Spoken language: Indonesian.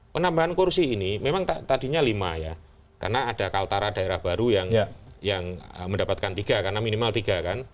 penambahan kursi ini memang tadinya lima ya karena ada kaltara daerah baru yang mendapatkan tiga karena minimal tiga kan